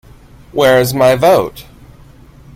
Where is my vote?